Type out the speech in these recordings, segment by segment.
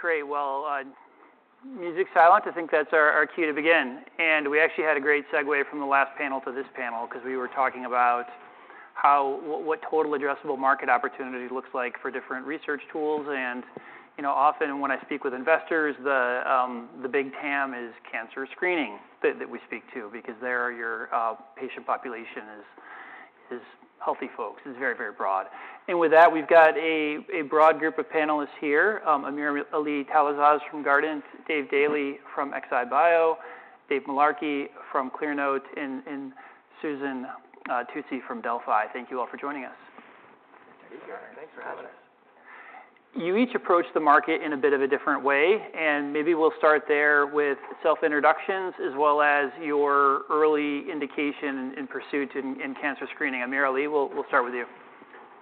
Great. Well, music's silent, I think that's our cue to begin. And we actually had a great segue from the last panel to this panel, 'cause we were talking about how what total addressable market opportunity looks like for different research tools. And, you know, often when I speak with investors, the big TAM is cancer screening that we speak to, because they're your patient population is healthy folks, is very, very broad. And with that, we've got a broad group of panelists here. AmirAli Talasaz from Guardant, Dave Daly from Exai Bio, Dave Mullarkey from ClearNote, and Susan Tousi from DELFI. Thank you all for joining us. Thanks for having us. You each approach the market in a bit of a different way, and maybe we'll start there with self-introductions, as well as your early indication in pursuit in cancer screening. AmirAli, we'll start with you.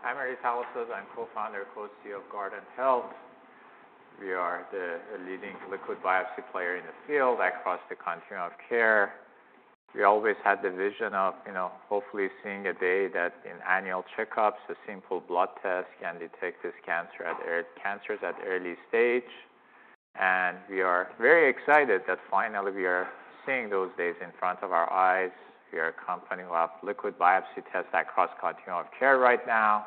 I'm AmirAli Talasaz. I'm co-founder and co-CEO of Guardant Health. We are the leading liquid biopsy player in the field across the continuum of care. We always had the vision of, you know, hopefully seeing a day that in annual checkups, a simple blood test can detect cancers at early stage. And we are very excited that finally we are seeing those days in front of our eyes. We are a company who have liquid biopsy tests across continuum of care right now.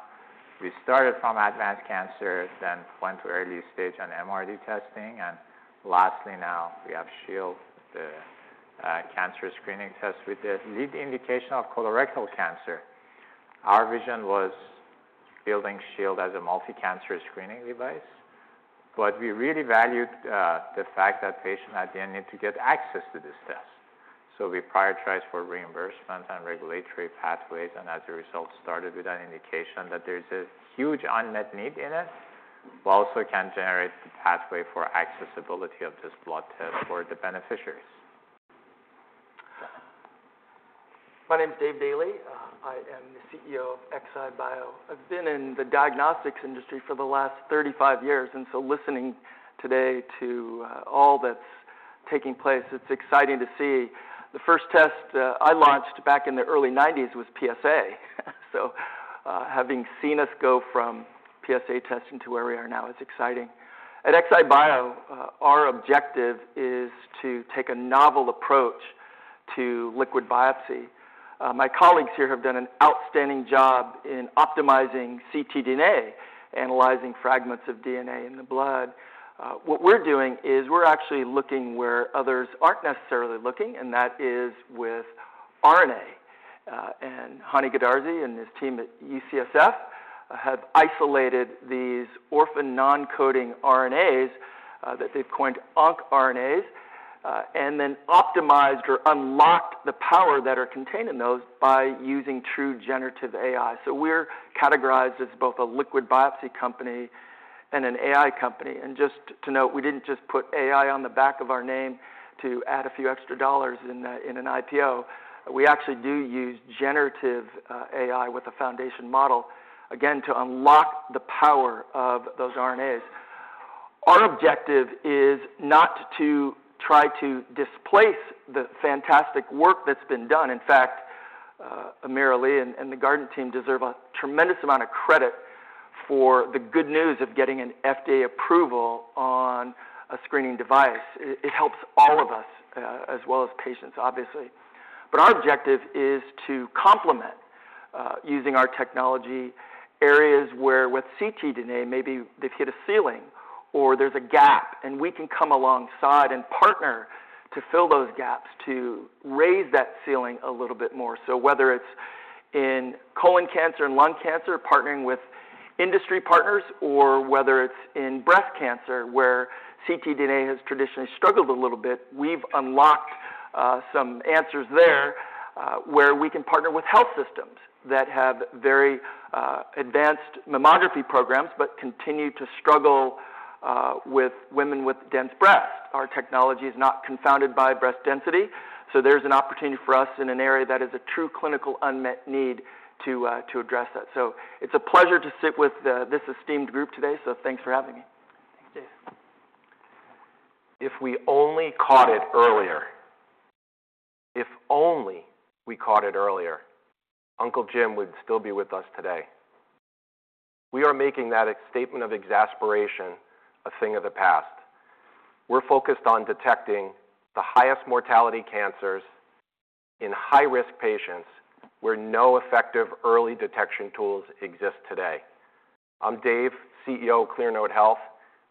We started from advanced cancers, then went to early stage on MRD testing, and lastly, now, we have Shield, the cancer screening test with the lead indication of colorectal cancer. Our vision was building Shield as a multi-cancer screening device, but we really valued the fact that patients at the end need to get access to this test. So we prioritize for reimbursement and regulatory pathways, and as a result, started with an indication that there's a huge unmet need in it, but also can generate the pathway for accessibility of this blood test for the beneficiaries. My name is Dave Daly. I am the CEO of Exai Bio. I've been in the diagnostics industry for the last 35 years, and so listening today to, all that's taking place, it's exciting to see. The first test, I launched back in the early nineties was PSA. So, having seen us go from PSA testing to where we are now is exciting. At Exai Bio, our objective is to take a novel approach to liquid biopsy. My colleagues here have done an outstanding job in optimizing ctDNA, analyzing fragments of DNA in the blood. What we're doing is we're actually looking where others aren't necessarily looking, and that is with RNA. And Hani Goodarzi and his team at UCSF have isolated these orphan non-coding RNAs that they've coined oncRNAs and then optimized or unlocked the power that are contained in those by using true generative AI. So we're categorized as both a liquid biopsy company and an AI company. And just to note, we didn't just put AI on the back of our name to add a few extra dollars in an IPO. We actually do use generative AI with a foundation model, again, to unlock the power of those RNAs. Our objective is not to try to displace the fantastic work that's been done. In fact, AmirAli and the Guardant team deserve a tremendous amount of credit for the good news of getting an FDA approval on a screening device. It, it helps all of us, as well as patients, obviously. But our objective is to complement, using our technology, areas where with ctDNA, maybe they've hit a ceiling or there's a gap, and we can come alongside and partner to fill those gaps, to raise that ceiling a little bit more. So whether it's in colon cancer and lung cancer, partnering with industry partners, or whether it's in breast cancer, where ctDNA has traditionally struggled a little bit, we've unlocked, some answers there, where we can partner with health systems that have very, advanced mammography programs, but continue to struggle, with women with dense breast. Our technology is not confounded by breast density, so there's an opportunity for us in an area that is a true clinical unmet need to, to address that. So it's a pleasure to sit with this esteemed group today, so thanks for having me. Thanks, Dave. If we only caught it earlier. If only we caught it earlier, Uncle Jim would still be with us today. We are making that a statement of exasperation, a thing of the past. We're focused on detecting the highest mortality cancers in high-risk patients, where no effective early detection tools exist today. I'm Dave, CEO of ClearNote Health.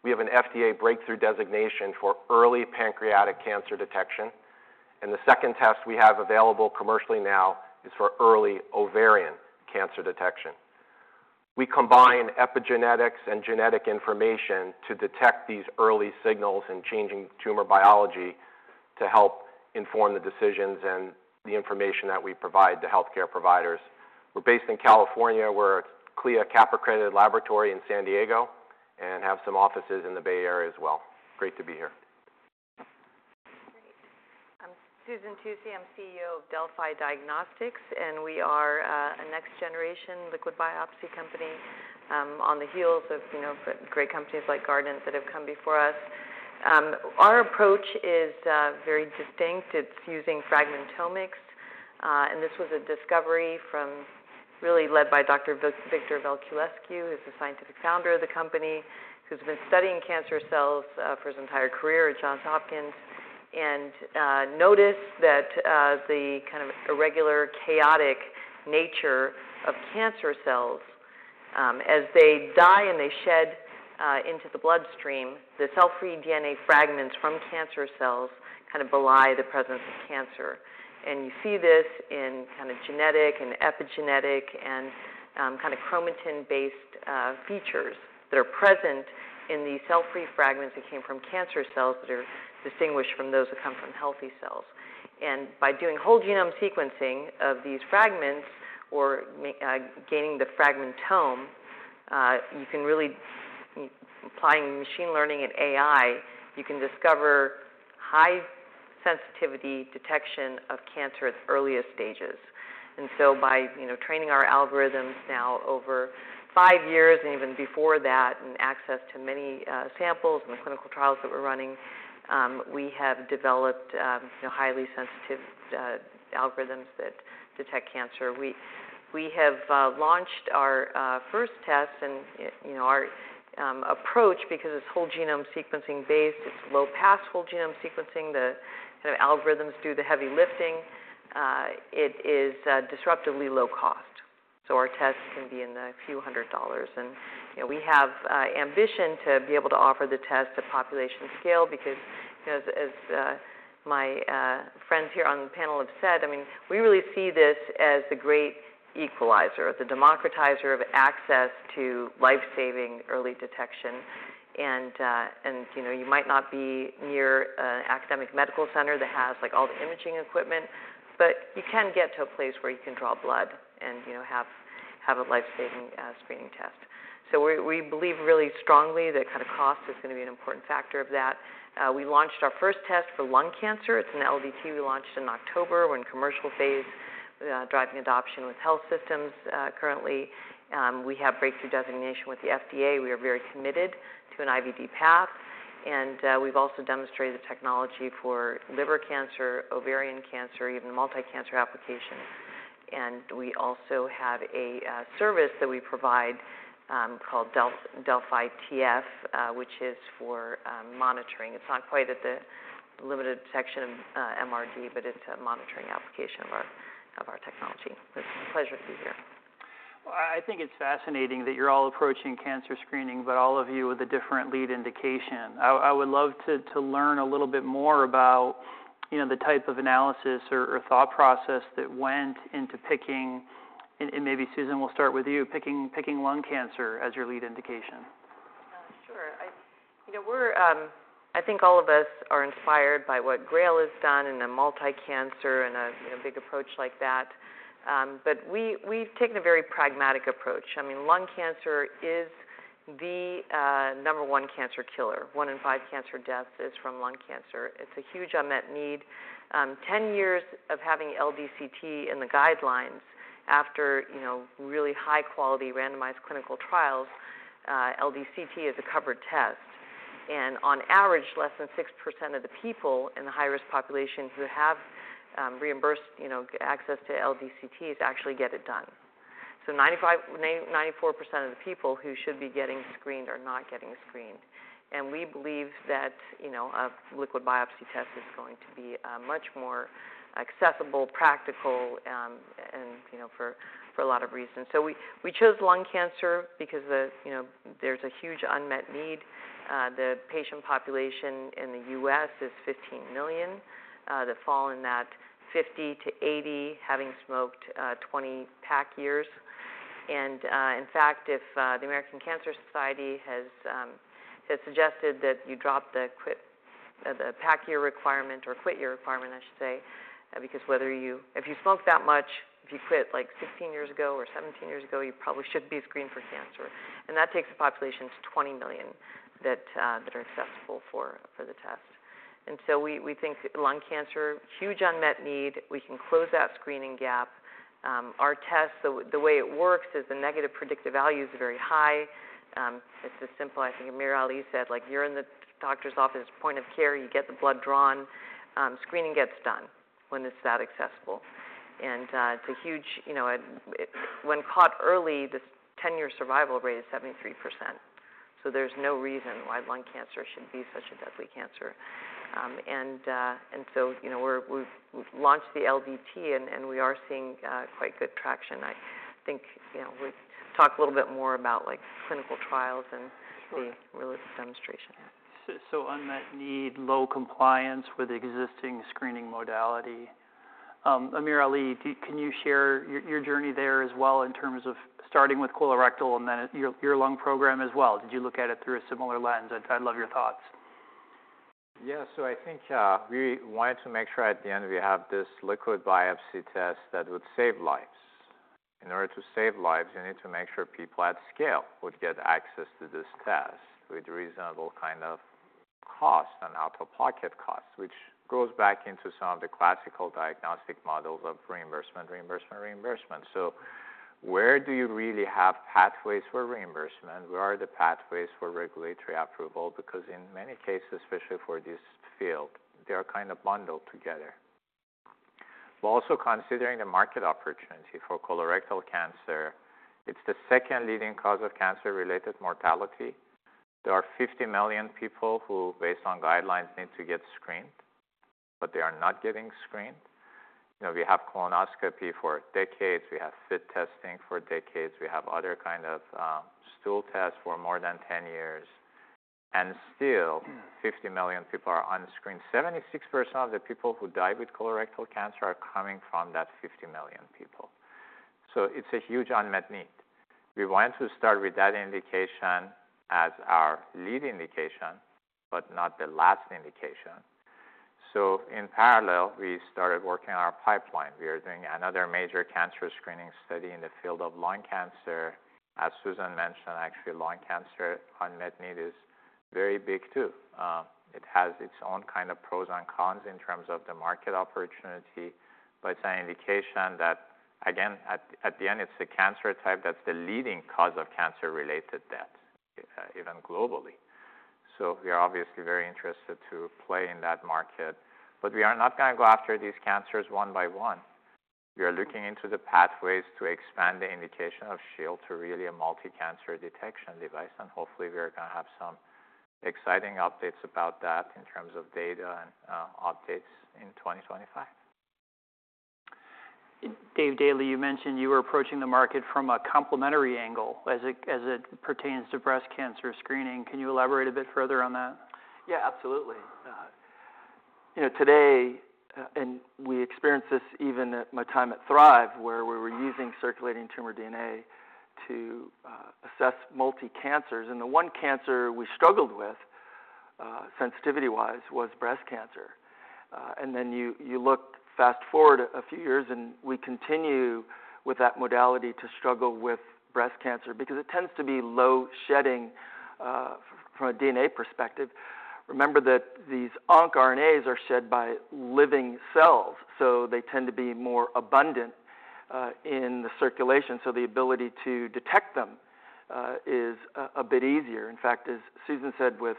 We have an FDA breakthrough designation for early pancreatic cancer detection, and the second test we have available commercially now is for early ovarian cancer detection. We combine epigenetics and genetic information to detect these early signals in changing tumor biology to help inform the decisions and the information that we provide to healthcare providers. We're based in California. We're a CLIA CAP-accredited laboratory in San Diego, and have some offices in the Bay Area as well. Great to be here. Great. I'm Susan Tousi. I'm CEO of DELFI Diagnostics, and we are a next-generation liquid biopsy company on the heels of, you know, great companies like Guardant that have come before us. Our approach is very distinct. It's using fragmentomics, and this was a discovery from really led by Dr. Victor Velculescu, who's the scientific founder of the company, who's been studying cancer cells for his entire career at Johns Hopkins. And noticed that the kind of irregular, chaotic nature of cancer cells as they die and they shed into the bloodstream, the cell-free DNA fragments from cancer cells kind of belie the presence of cancer. You see this in kind of genetic and epigenetic and kind of chromatin-based features that are present in these cell-free fragments that came from cancer cells that are distinguished from those that come from healthy cells. By doing whole genome sequencing of these fragments or gaining the fragmentome, you can really, applying machine learning and AI, you can discover high sensitivity detection of cancer at the earliest stages. So by, you know, training our algorithms now over 5 years and even before that, and access to many samples and the clinical trials that we're running, we have developed, you know, highly sensitive algorithms that detect cancer. We have launched our first test, and, you know, our approach, because it's whole genome sequencing based, it's low-pass whole genome sequencing. The kind of algorithms do the heavy lifting. It is disruptively low cost, so our tests can be in the few hundred dollars. And, you know, we have ambition to be able to offer the test at population scale, because as my friends here on the panel have said, I mean, we really see this as the great equalizer, the democratizer of access to life-saving early detection. And, and, you know, you might not be near an academic medical center that has, like, all the imaging equipment, but you can get to a place where you can draw blood and, you know, have a life-saving screening test. So we believe really strongly that kind of cost is going to be an important factor of that. We launched our first test for lung cancer. It's an LDT we launched in October. We're in commercial phase, driving adoption with health systems. Currently, we have breakthrough designation with the FDA. We are very committed to an IVD path, and, we've also demonstrated the technology for liver cancer, ovarian cancer, even multi-cancer applications. And we also have a service that we provide, called DELFI TF, which is for monitoring. It's not quite at the limited detection, MRD, but it's a monitoring application of our, of our technology. It's a pleasure to be here. Well, I think it's fascinating that you're all approaching cancer screening, but all of you with a different lead indication. I would love to learn a little bit more about, you know, the type of analysis or thought process that went into picking... and maybe Susan, we'll start with you, picking lung cancer as your lead indication. Sure. You know, we're, I think all of us are inspired by what Grail has done in a multi-cancer and a, you know, big approach like that. But we, we've taken a very pragmatic approach. I mean, lung cancer is the, number one cancer killer. One in five cancer deaths is from lung cancer. It's a huge unmet need. Ten years of having LDCT in the guidelines after, you know, really high quality, randomized clinical trials, LDCT is a covered test, and on average, less than 6% of the people in the high-risk population who have, reimbursed, you know, access to LDCTs actually get it done. So 95, 9-94% of the people who should be getting screened are not getting screened. We believe that, you know, a liquid biopsy test is going to be much more accessible, practical, and, you know, for a lot of reasons. So we chose lung cancer because the, you know, there's a huge unmet need. The patient population in the U.S. is 15 million that fall in that 50-80, having smoked 20 pack years. And, in fact, if the American Cancer Society has suggested that you drop the quit- the pack year requirement or quit year requirement, I should say, because whether you- if you smoked that much, if you quit like 16 years ago or 17 years ago, you probably should be screened for cancer. And that takes the population to 20 million that are accessible for the test. And so we think lung cancer, huge unmet need. We can close that screening gap. Our test, the way it works is the negative predictive values are very high. It's as simple as, I think Amir Ali said, like, you're in the doctor's office, point of care, you get the blood drawn. Screening gets done when it's that accessible. And it's a huge... You know, it, when caught early, the 10-year survival rate is 73%. So there's no reason why lung cancer should be such a deadly cancer. And so, you know, we've launched the LDT, and we are seeing quite good traction. I think, you know, we've talked a little bit more about, like, clinical trials and- Sure. The realistic demonstration. So, unmet need, low compliance with existing screening modality. Amir Ali, can you share your, your journey there as well, in terms of starting with colorectal and then your, your lung program as well? Did you look at it through a similar lens? I'd, I'd love your thoughts. Yeah. So I think, we wanted to make sure at the end, we have this liquid biopsy test that would save lives. In order to save lives, you need to make sure people at scale would get access to this test with reasonable kind of cost and out-of-pocket costs, which goes back into some of the classical diagnostic models of reimbursement, reimbursement, reimbursement. So, where do you really have pathways for reimbursement? Where are the pathways for regulatory approval? Because in many cases, especially for this field, they are kind of bundled together. We're also considering the market opportunity for colorectal cancer. It's the second leading cause of cancer-related mortality. There are 50 million people who, based on guidelines, need to get screened, but they are not getting screened. You know, we have colonoscopy for decades, we have FIT testing for decades, we have other kind of stool tests for more than 10 years, and still 50 million people are unscreened. 76% of the people who die with colorectal cancer are coming from that 50 million people. So it's a huge unmet need. We want to start with that indication as our lead indication, but not the last indication. So in parallel, we started working on our pipeline. We are doing another major cancer screening study in the field of lung cancer. As Susan mentioned, actually, lung cancer unmet need is very big, too. It has its own kind of pros and cons in terms of the market opportunity, but it's an indication that, again, at the end, it's a cancer type that's the leading cause of cancer-related deaths, even globally. We are obviously very interested to play in that market, but we are not going to go after these cancers one by one. We are looking into the pathways to expand the indication of Shield to really a multi-cancer detection device, and hopefully, we are going to have some exciting updates about that in terms of data and updates in 2025. Dave Daly, you mentioned you were approaching the market from a complementary angle as it pertains to breast cancer screening. Can you elaborate a bit further on that? Yeah, absolutely. You know, today, and we experienced this even at my time at Thrive, where we were using circulating tumor DNA to assess multi-cancers, and the one cancer we struggled with, sensitivity-wise, was breast cancer. And then you look fast-forward a few years, and we continue with that modality to struggle with breast cancer because it tends to be low shedding, from a DNA perspective. Remember that these oncRNAs are shed by living cells, so they tend to be more abundant in the circulation, so the ability to detect them is a bit easier. In fact, as Susan said with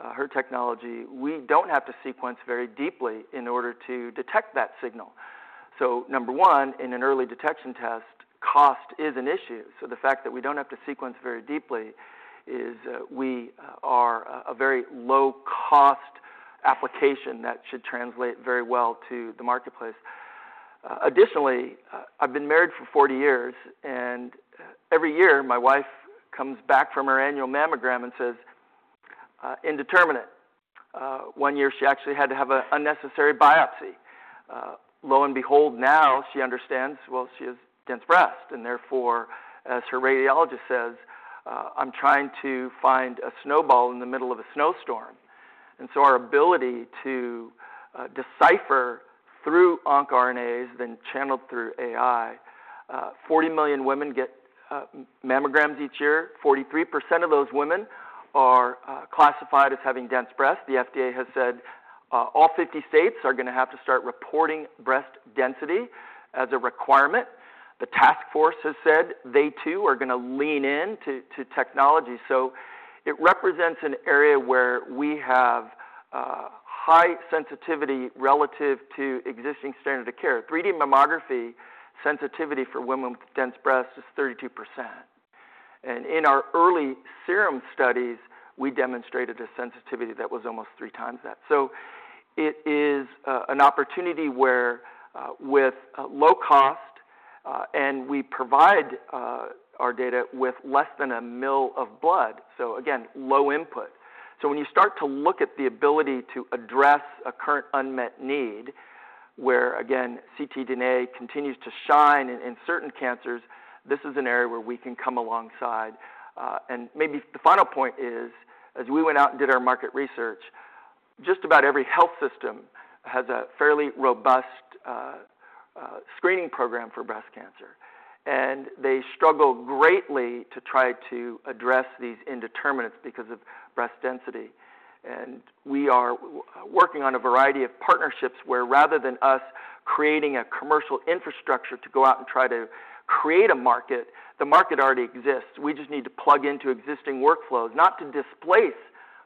her technology, we don't have to sequence very deeply in order to detect that signal. So number one, in an early detection test, cost is an issue, so the fact that we don't have to sequence very deeply is, we are a very low cost application that should translate very well to the marketplace. Additionally, I've been married for 40 years, and every year, my wife comes back from her annual mammogram and says, "Indeterminate." One year, she actually had to have an unnecessary biopsy. Lo and behold, now she understands, well, she has dense breast, and therefore, as her radiologist says, "I'm trying to find a snowball in the middle of a snowstorm." And so our ability to decipher through oncRNAs, then channeled through AI, 40 million women get mammograms each year. 43% of those women are classified as having dense breasts. The FDA has said, all 50 states are going to have to start reporting breast density as a requirement. The task force has said they, too, are going to lean into to technology. So it represents an area where we have, high sensitivity relative to existing standard of care. 3D mammography sensitivity for women with dense breasts is 32%, and in our early serum studies, we demonstrated a sensitivity that was almost three times that. So it is, an opportunity where, with, low cost, and we provide, our data with less than a mil of blood, so again, low input. So when you start to look at the ability to address a current unmet need, where, again, ctDNA continues to shine in certain cancers, this is an area where we can come alongside. And maybe the final point is, as we went out and did our market research, just about every health system has a fairly robust screening program for breast cancer, and they struggle greatly to try to address these indeterminates because of breast density. And we are working on a variety of partnerships where rather than us creating a commercial infrastructure to go out and try to create a market, the market already exists. We just need to plug into existing workflows, not to displace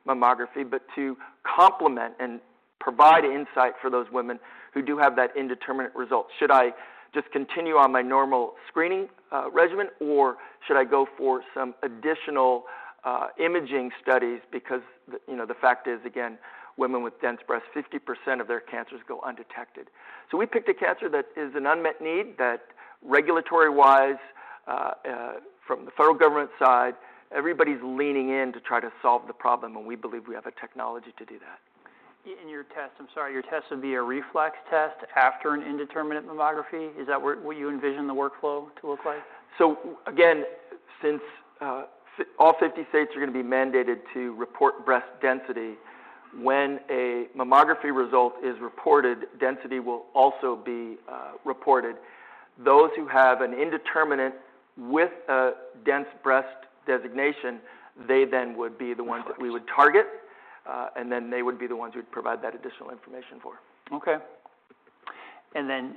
mammography, but to complement and provide insight for those women who do have that indeterminate result. Should I just continue on my normal screening regimen, or should I go for some additional imaging studies? Because the... You know, the fact is, again, women with dense breasts, 50% of their cancers go undetected. We picked a cancer that is an unmet need, that regulatory-wise, from the federal government side, everybody's leaning in to try to solve the problem, and we believe we have a technology to do that. In your test, I'm sorry, your test would be a reflex test after an indeterminate mammography? Is that what you envision the workflow to look like? So again, since all 50 states are going to be mandated to report breast density, when a mammography result is reported, density will also be reported. Those who have an indeterminate with a dense breast designation, they then would be the ones that we would target, and then they would be the ones we'd provide that additional information for. Okay. And then,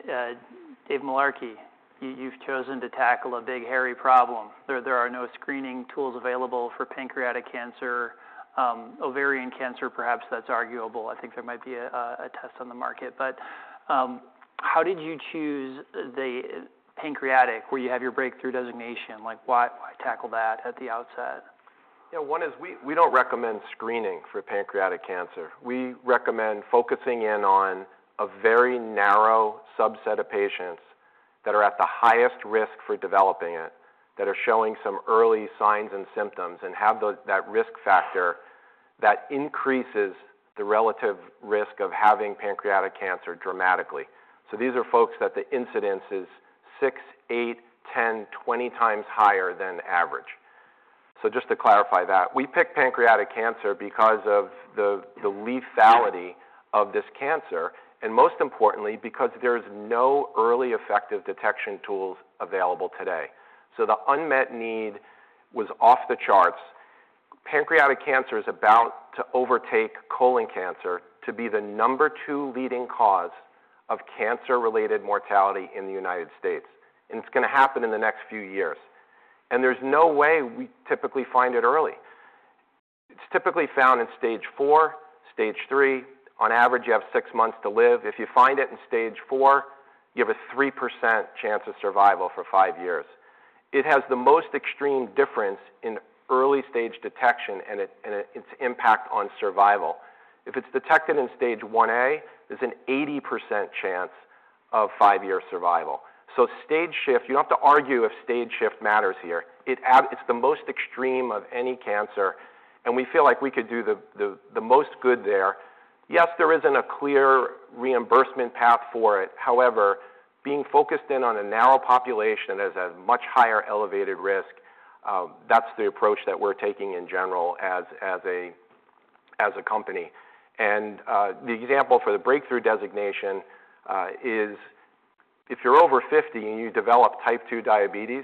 Dave Mullarkey, you, you've chosen to tackle a big, hairy problem. There, there are no screening tools available for pancreatic cancer, ovarian cancer, perhaps that's arguable. I think there might be a, a test on the market, but, how did you choose the pancreatic, where you have your Breakthrough Designation? Like, why, why tackle that at the outset? Yeah, one is we, we don't recommend screening for pancreatic cancer. We recommend focusing in on a very narrow subset of patients that are at the highest risk for developing it, that are showing some early signs and symptoms, and have that risk factor that increases the relative risk of having pancreatic cancer dramatically. So these are folks that the incidence is 6, 8, 10, 20 times higher than average. So just to clarify that, we picked pancreatic cancer because of the, the lethality of this cancer, and most importantly, because there's no early effective detection tools available today. So the unmet need was off the charts. Pancreatic cancer is about to overtake colon cancer to be the number 2 leading cause of cancer-related mortality in the United States, and it's gonna happen in the next few years. There's no way we typically find it early. It's typically found in stage 4, stage 3. On average, you have 6 months to live. If you find it in stage 4, you have a 3% chance of survival for 5 years. It has the most extreme difference in early stage detection and its impact on survival. If it's detected in stage 1A, there's an 80% chance of 5-year survival. So stage shift, you don't have to argue if stage shift matters here. It's the most extreme of any cancer, and we feel like we could do the most good there. Yes, there isn't a clear reimbursement path for it. However, being focused in on a narrow population that has a much higher elevated risk, that's the approach that we're taking in general as a company. The example for the Breakthrough Designation is if you're over 50 and you develop type 2 diabetes,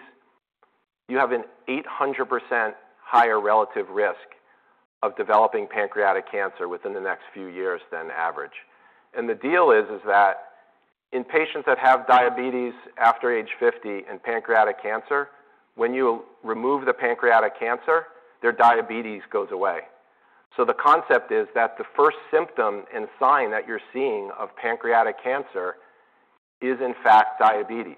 you have an 800% higher relative risk of developing pancreatic cancer within the next few years than average. The deal is that in patients that have diabetes after age 50 and pancreatic cancer, when you remove the pancreatic cancer, their diabetes goes away. The concept is that the first symptom and sign that you're seeing of pancreatic cancer is, in fact, diabetes.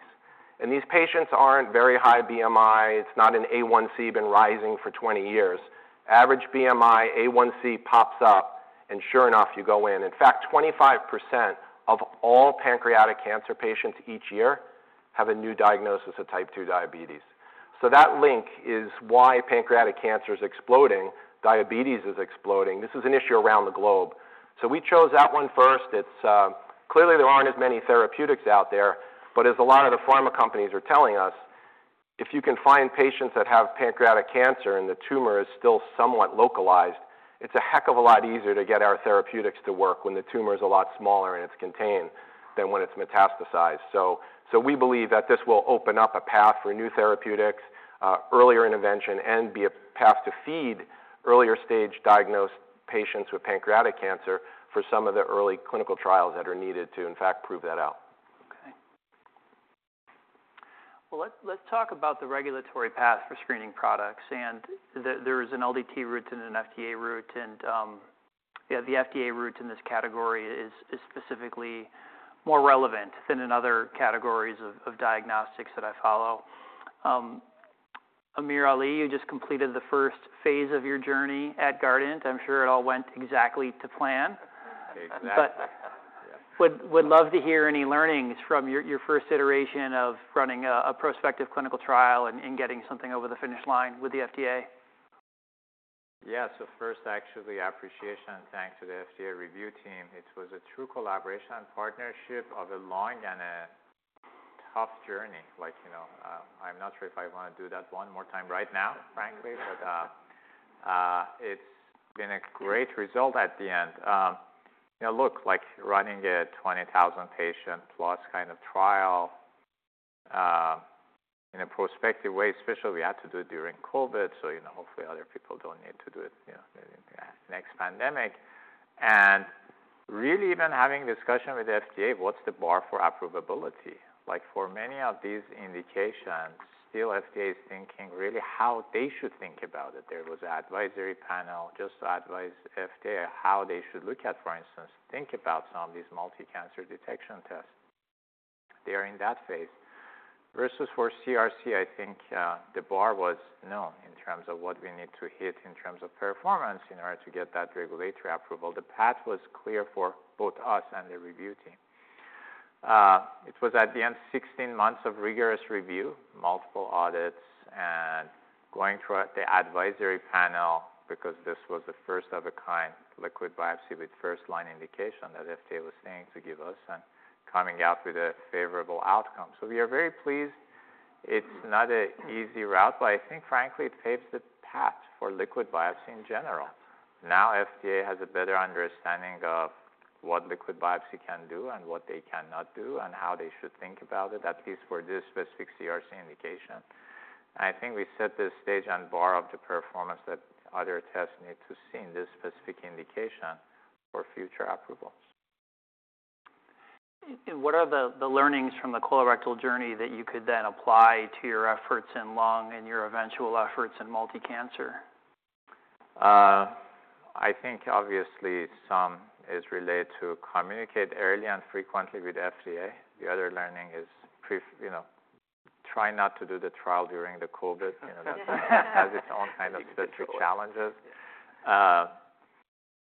These patients aren't very high BMI, it's not an A1C been rising for 20 years. Average BMI, A1C pops up, and sure enough, you go in. In fact, 25% of all pancreatic cancer patients each year have a new diagnosis of type 2 diabetes. That link is why pancreatic cancer is exploding, diabetes is exploding. This is an issue around the globe. So we chose that one first. It's clearly, there aren't as many therapeutics out there, but as a lot of the pharma companies are telling us, if you can find patients that have pancreatic cancer and the tumor is still somewhat localized, it's a heck of a lot easier to get our therapeutics to work when the tumor is a lot smaller and it's contained, than when it's metastasized. So we believe that this will open up a path for new therapeutics, earlier intervention, and be a path to feed earlier stage diagnosed patients with pancreatic cancer for some of the early clinical trials that are needed to, in fact, prove that out. Okay. Well, let's talk about the regulatory path for screening products, and there is an LDT route and an FDA route, and yeah, the FDA route in this category is specifically more relevant than in other categories of diagnostics that I follow. AmirAli, you just completed the first phase of your journey at Guardant. I'm sure it all went exactly to plan. Exactly. But would love to hear any learnings from your first iteration of running a prospective clinical trial and getting something over the finish line with the FDA. Yeah. So first, actually, appreciation and thanks to the FDA review team. It was a true collaboration and partnership of a long and a tough journey. Like, you know, I'm not sure if I wanna do that one more time right now, frankly, but it's been a great result at the end. You know, look, like, running a 20,000-patient head-to-head kind of trial in a prospective way, especially, we had to do it during COVID, so, you know, hopefully, other people don't need to do it, you know, maybe in the next pandemic. And really, even having discussion with the FDA, what's the bar for approvability? Like, for many of these indications, still FDA is thinking, really, how they should think about it. There was an advisory panel just to advise FDA how they should look at, for instance, think about some of these multi-cancer detection tests. They are in that phase. Versus for CRC, I think, the bar was, "No," in terms of what we need to hit in terms of performance in order to get that regulatory approval. The path was clear for both us and the review team. It was, at the end, 16 months of rigorous review, multiple audits, and going through the advisory panel because this was a first-of-its-kind liquid biopsy with first-line indication that FDA was saying to give us, and coming out with a favorable outcome. So we are very pleased. It's not an easy route, but I think, frankly, it paves the path for liquid biopsy in general. Now, FDA has a better understanding of what liquid biopsy can do and what they cannot do, and how they should think about it, at least for this specific CRC indication... I think we set the stage and bar of the performance that other tests need to see in this specific indication for future approvals. What are the learnings from the colorectal journey that you could then apply to your efforts in lung and your eventual efforts in multi-cancer? I think obviously some is related to communicate early and frequently with FDA. The other learning is you know, try not to do the trial during the COVID. You know, that has its own kind of special challenges.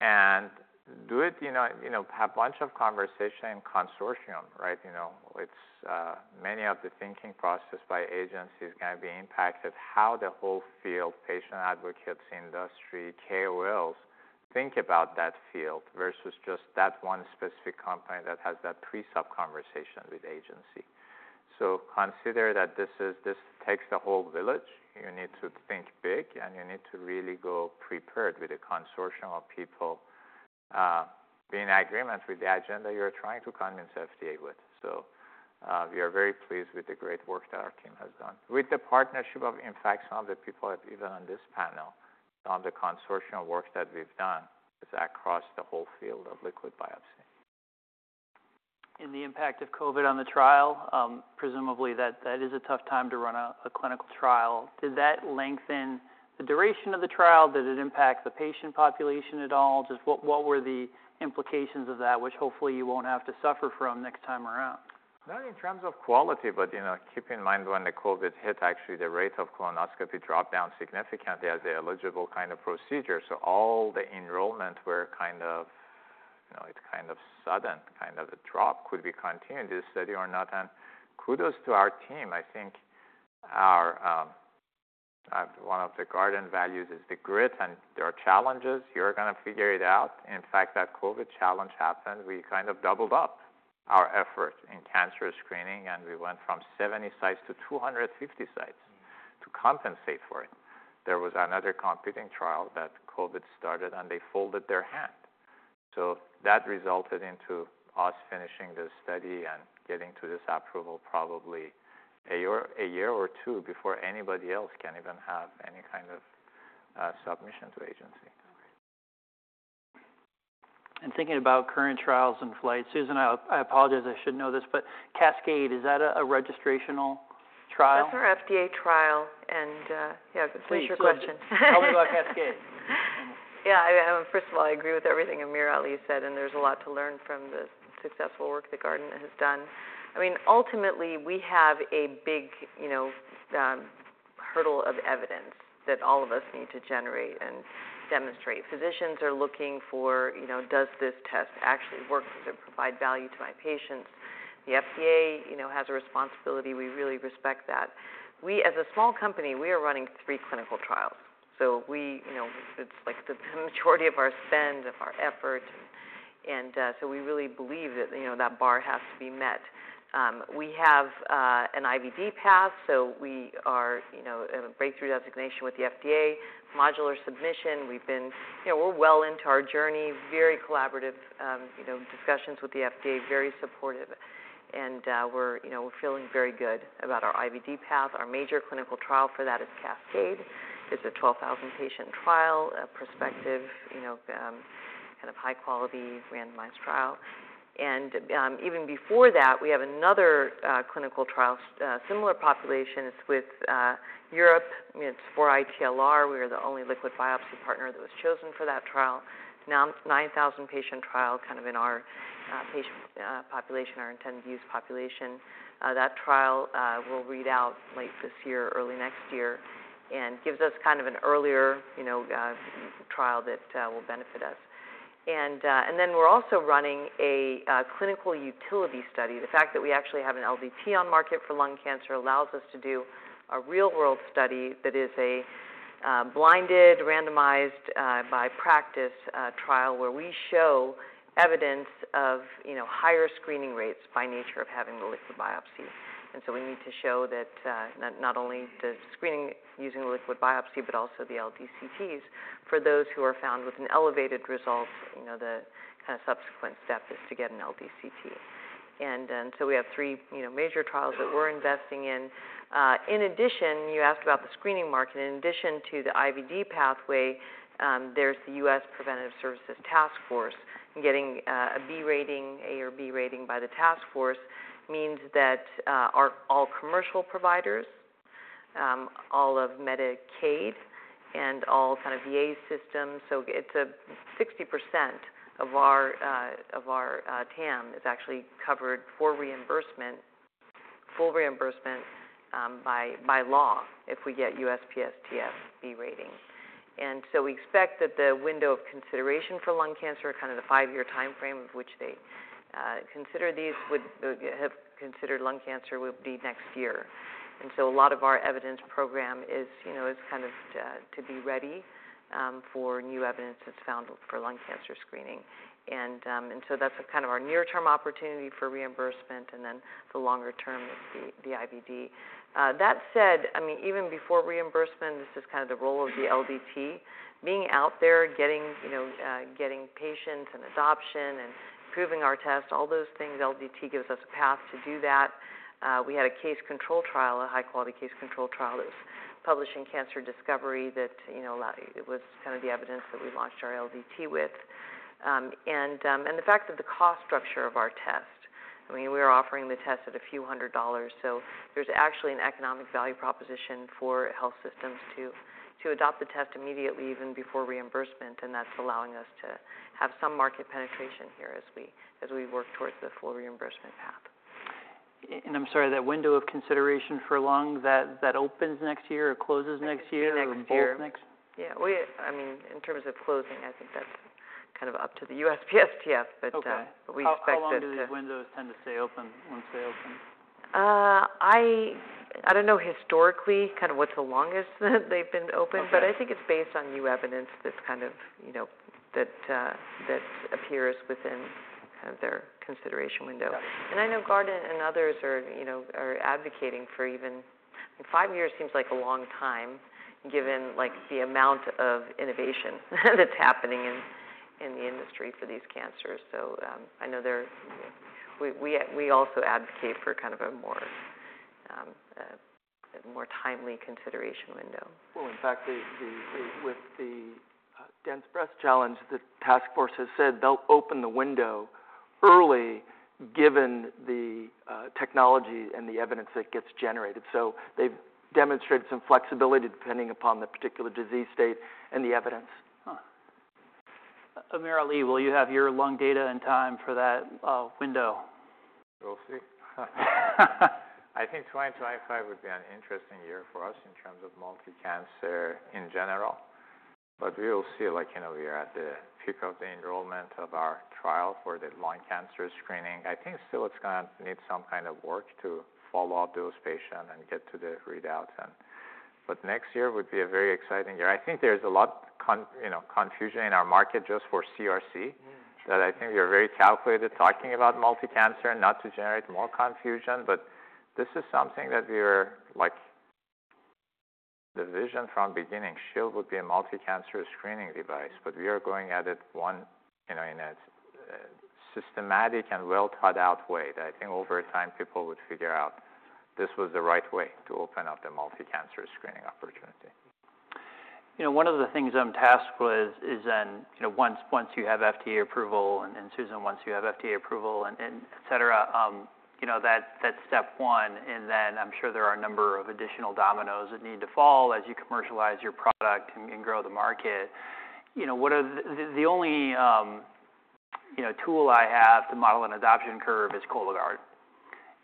And do it, you know, you know, have bunch of conversation and consortium, right? You know, it's, many of the thinking process by agencies can be impacted, how the whole field, patient advocates, industry, KOLs, think about that field versus just that one specific company that has that pre-sub conversation with agency. So consider that this is this takes the whole village. You need to think big, and you need to really go prepared with a consortium of people, be in agreement with the agenda you're trying to convince FDA with. So, we are very pleased with the great work that our team has done. With the partnership of, in fact, some of the people that even on this panel, on the consortium work that we've done, is across the whole field of liquid biopsy. The impact of COVID on the trial, presumably, that is a tough time to run a clinical trial. Did that lengthen the duration of the trial? Did it impact the patient population at all? Just what were the implications of that, which hopefully you won't have to suffer from next time around? Not in terms of quality, but, you know, keep in mind, when the COVID hit, actually the rate of colonoscopy dropped down significantly as an eligible kind of procedure. So all the enrollment were kind of, you know, it's kind of sudden, kind of a drop. Could we continue this study or not? And kudos to our team. I think our one of the Guardant values is the grit, and there are challenges. You're gonna figure it out. In fact, that COVID challenge happened, we kind of doubled up our effort in cancer screening, and we went from 70 sites to 250 sites to compensate for it. There was another competing trial that COVID started, and they folded their hand. So that resulted into us finishing this study and getting to this approval probably a year, a year or two before anybody else can even have any kind of submission to agency. Thinking about current trials and flights, Susan, I, I apologize, I should know this, but Cascade, is that a registrational trial? That's our FDA trial, and, yeah, please, your question. Tell me about Cascade? Yeah, First of all, I agree with everything AmirAli said, and there's a lot to learn from the successful work that Guardant has done. I mean, ultimately, we have a big, you know, hurdle of evidence that all of us need to generate and demonstrate. Physicians are looking for, you know, does this test actually work? Does it provide value to my patients? The FDA, you know, has a responsibility. We really respect that. We, as a small company, we are running 3 clinical trials. So we, you know, it's like the majority of our spend, of our effort, and, so we really believe that, you know, that bar has to be met. We have, an IVD path, so we are, you know, in a Breakthrough Designation with the FDA, modular submission. We've been... You know, we're well into our journey, very collaborative, you know, discussions with the FDA, very supportive, and, we're, you know, feeling very good about our IVD path. Our major clinical trial for that is Cascade. It's a 12,000 patient trial, a prospective, you know, kind of high quality randomized trial. And, even before that, we have another, clinical trial, similar populations with Europe. I mean, it's for ITLR. We are the only liquid biopsy partner that was chosen for that trial. Now, 9,000 patient trial, kind of in our, patient, population, our intended use population. That trial will read out late this year or early next year and gives us kind of an earlier, you know, trial that will benefit us. And then we're also running a clinical utility study. The fact that we actually have an LDT on market for lung cancer allows us to do a real-world study that is a blinded, randomized by practice trial, where we show evidence of, you know, higher screening rates by nature of having the liquid biopsy. And so we need to show that not only the screening using liquid biopsy, but also the LDCTs. For those who are found with an elevated result, you know, the kind of subsequent step is to get an LDCT. And then, so we have three, you know, major trials that we're investing in. In addition, you asked about the screening market. In addition to the IVD pathway, there's the U.S. Preventive Services Task Force, and getting a B rating, A or B rating by the task force means that or all commercial providers, all of Medicaid and all kind of VA systems, so it's 60% of our TAM is actually covered for reimbursement, full reimbursement by law if we get USPSTF B rating. And so we expect that the window of consideration for lung cancer, kind of the five-year timeframe of which they consider these would have considered lung cancer would be next year. And so a lot of our evidence program is, you know, is kind of to be ready for new evidence that's found for lung cancer screening. And so that's kind of our near-term opportunity for reimbursement, and then the longer term is the, the IVD. That said, I mean, even before reimbursement, this is kind of the role of the LDT. Being out there, getting, you know, getting patients and adoption and improving our test, all those things, LDT gives us a path to do that. We had a case control trial, a high quality case control trial, that's publishing Cancer Discovery that, you know, it was kind of the evidence that we launched our LDT with. And the fact that the cost structure of our test, I mean, we are offering the test at a few hundred dollars. So there's actually an economic value proposition for health systems to adopt the test immediately, even before reimbursement, and that's allowing us to have some market penetration here as we work towards the full reimbursement path. I'm sorry, that window of consideration for lung, that opens next year or closes next year- Next year. Or both next? Yeah, we—I mean, in terms of closing, I think that's kind of up to the USPSTF, but. Okay. We expect it to- How long do the windows tend to stay open once they open? I don't know, historically, kind of what the longest they've been open. Okay. But I think it's based on new evidence that's kind of, you know, that appears within kind of their consideration window. Got it. And I know Guardant and others are, you know, are advocating for even... 5 years seems like a long time, given, like, the amount of innovation that's happening in the industry for these cancers. So, I know they're. We also advocate for kind of a more timely consideration window. Well, in fact, with the dense breast challenge, the task force has said they'll open the window early, given the technology and the evidence that gets generated. So they've demonstrated some flexibility depending upon the particular disease state and the evidence. Huh. AmirAli, will you have your lung data in time for that window? We'll see. I think 2025 would be an interesting year for us in terms of multi-cancer in general, but we will see, like, you know, we are at the peak of the enrollment of our trial for the lung cancer screening. I think still it's gonna need some kind of work to follow up those patients and get to the readout and... But next year would be a very exciting year. I think there's a lot, you know, confusion in our market just for CRC- Mm. that I think we are very calculated talking about multi-cancer, not to generate more confusion, but this is something that we are, like, the vision from beginning, Shield would be a multi-cancer screening device. But we are going at it one, you know, in a systematic and well thought out way, that I think over time, people would figure out this was the right way to open up the multi-cancer screening opportunity. You know, one of the things I'm tasked with is then, you know, once you have FDA approval, and Susan, once you have FDA approval and et cetera, you know, that's step one, and then I'm sure there are a number of additional dominoes that need to fall as you commercialize your product and grow the market. You know, what are... The only tool I have to model an adoption curve is Cologuard.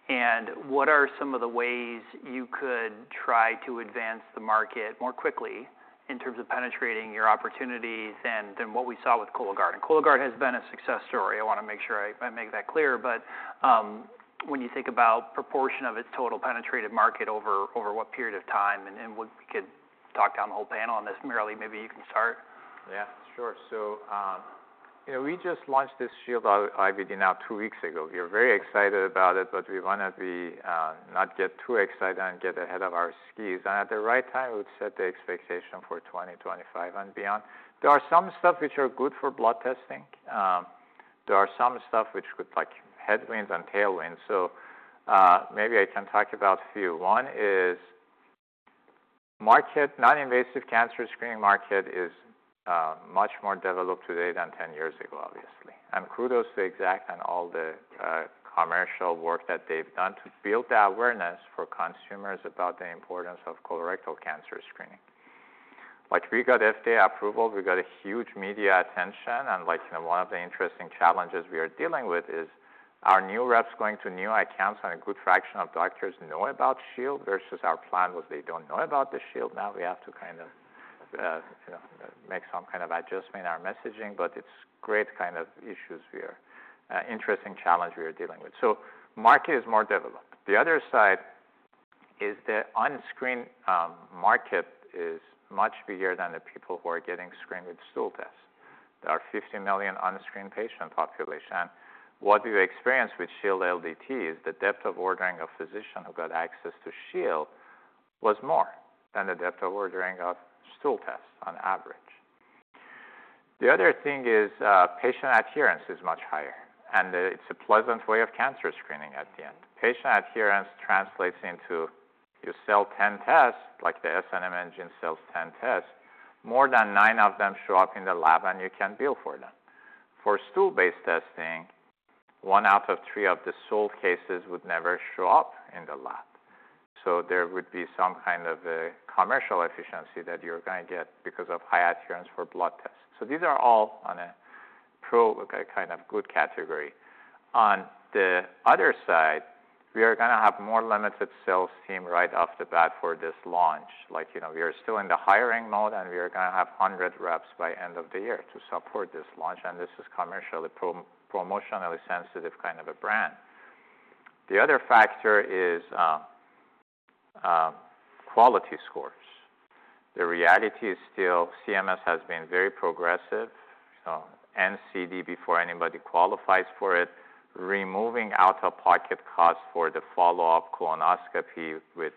And what are some of the ways you could try to advance the market more quickly in terms of penetrating your opportunities than what we saw with Cologuard? And Cologuard has been a success story. I want to make sure I make that clear, but when you think about proportion of its total penetrative market over what period of time, and then we could talk down the whole panel on this. AmirAli, maybe you can start. Yeah, sure. So, you know, we just launched this Shield IVD now, two weeks ago. We are very excited about it, but we want to be, not get too excited and get ahead of our skis, and at the right time, we would set the expectation for 2025 and beyond. There are some stuff which are good for blood testing. There are some stuff which could like headwinds and tailwinds, so, maybe I can talk about a few. One is market, non-invasive cancer screening market is, much more developed today than 10 years ago, obviously. And kudos to Exact and all the, commercial work that they've done to build the awareness for consumers about the importance of colorectal cancer screening. Like, we got FDA approval, we got a huge media attention, and like, you know, one of the interesting challenges we are dealing with is, our new reps going to new accounts and a good fraction of doctors know about Shield, versus our plan was they don't know about the Shield. Now, we have to kind of, you know, make some kind of adjustment in our messaging, but it's great kind of issues we are, interesting challenge we are dealing with. So market is more developed. The other side is the unscreened market is much bigger than the people who are getting screened with stool tests. There are 50 million unscreened patient population. What we experienced with Shield LDT is the depth of ordering a physician who got access to Shield was more than the depth of ordering of stool tests on average. The other thing is, patient adherence is much higher, and it's a pleasant way of cancer screening at the end. Patient adherence translates into, you sell 10 tests, like the SM engine sells 10 tests, more than 9 of them show up in the lab, and you can bill for them. For stool-based testing, 1 out of 3 of the sold cases would never show up in the lab. So there would be some kind of a commercial efficiency that you're gonna get because of high adherence for blood tests. So these are all on a pro, like, a kind of good category. On the other side, we are gonna have more limited sales team right off the bat for this launch. Like, you know, we are still in the hiring mode, and we are gonna have 100 reps by end of the year to support this launch, and this is commercially promotionally sensitive kind of a brand. The other factor is quality scores. The reality is still CMS has been very progressive, so NCD, before anybody qualifies for it, removing out-of-pocket costs for the follow-up colonoscopy with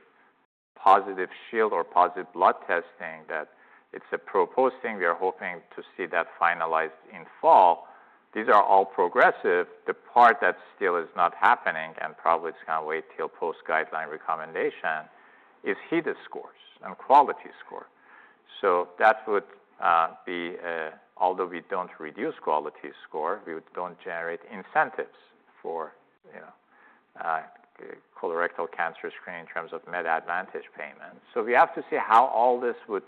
positive Shield or positive blood testing, that it's a proposed thing. We are hoping to see that finalized in fall. These are all progressive. The part that still is not happening, and probably it's gonna wait till post-guideline recommendation, is HEDIS scores and quality score. So that would be, although we don't reduce quality score, we don't generate incentives for, you know, colorectal cancer screening in terms of Med Advantage payments. We have to see how all this would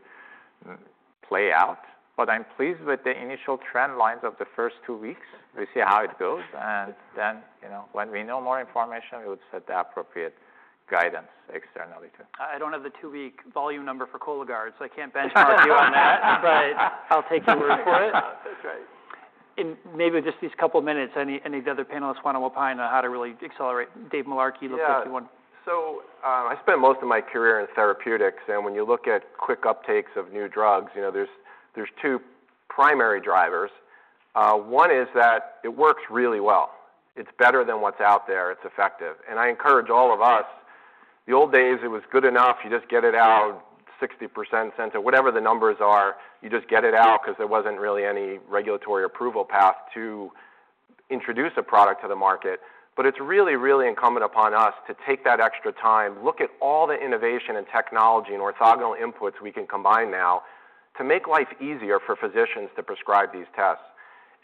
play out, but I'm pleased with the initial trend lines of the first two weeks. We see how it goes, and then, you know, when we know more information, we would set the appropriate guidance externally too. I don't have the two-week volume number for Cologuard, so I can't benchmark you on that. But I'll take your word for it. That's right. In maybe just these couple of minutes, any, any of the other panelists want to opine on how to really accelerate? Dave Mullarkey, you look like you want- Yeah. So, I spent most of my career in therapeutics, and when you look at quick uptakes of new drugs, you know, there's two primary drivers. One is that it works really well. It's better than what's out there, it's effective. And I encourage all of us... The old days, it was good enough, you just get it out, 60% sensitive, whatever the numbers are, you just get it out- Yeah 'Cause there wasn't really any regulatory approval path to introduce a product to the market. It's really, really incumbent upon us to take that extra time, look at all the innovation and technology and orthogonal inputs we can combine now, to make life easier for physicians to prescribe these tests.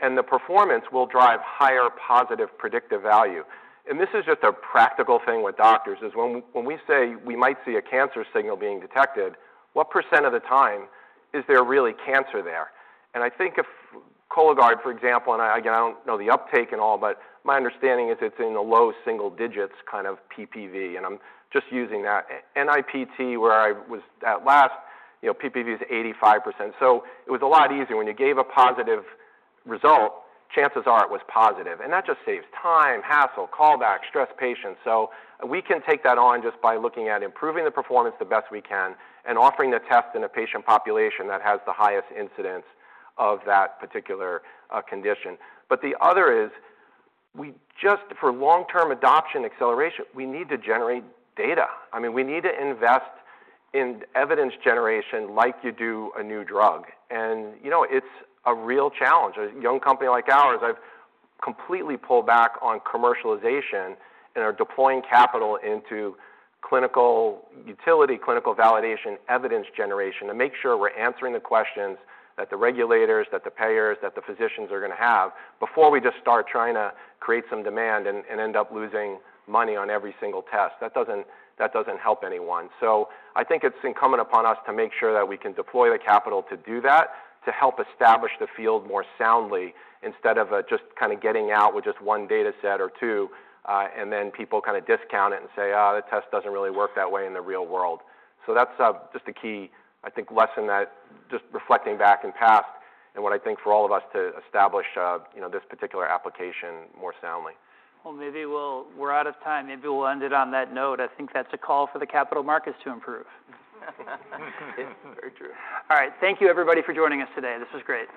The performance will drive higher positive predictive value. This is just a practical thing with doctors: when we say we might see a cancer signal being detected, what percent of the time is there really cancer there? I think if Cologuard, for example, I don't know the uptake and all, but my understanding is it's in the low single digits, kind of PPV, and I'm just using that. NIPT, where I was at last, you know, PPV is 85%. It was a lot easier. When you gave a positive result, chances are it was positive. And that just saves time, hassle, callback, stressed patients. So we can take that on just by looking at improving the performance the best we can and offering the test in a patient population that has the highest incidence of that particular condition. But the other is, we just... For long-term adoption acceleration, we need to generate data. I mean, we need to invest in evidence generation like you do a new drug. And, you know, it's a real challenge. A young company like ours, I've completely pulled back on commercialization and are deploying capital into clinical utility, clinical validation, evidence generation, to make sure we're answering the questions that the regulators, that the payers, that the physicians are gonna have, before we just start trying to create some demand and, and end up losing money on every single test. That doesn't, that doesn't help anyone. So I think it's incumbent upon us to make sure that we can deploy the capital to do that, to help establish the field more soundly, instead of, just kind of getting out with just one data set or two, and then people kind of discount it and say, "Oh, that test doesn't really work that way in the real world." So that's just a key, I think, lesson that just reflecting back in past and what I think for all of us to establish, you know, this particular application more soundly. Well, maybe we're out of time. Maybe we'll end it on that note. I think that's a call for the capital markets to improve. Very true. All right. Thank you, everybody, for joining us today. This was great.